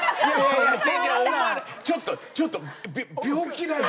ちょっとちょっとび病気だよ！